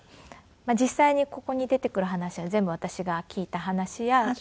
実際にここに出てくる話は全部私が聞いた話や行った場所で。